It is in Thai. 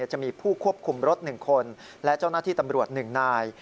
จะมีผู้ควบคุมรถ๑คนและเจ้าหน้าที่ตำรวจ๑นาย